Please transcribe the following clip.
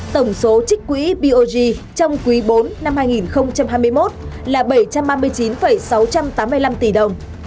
tổng số trích quỹ bog trong quý bốn năm hai nghìn hai mươi một là bảy trăm ba mươi chín sáu trăm tám mươi năm tỷ đồng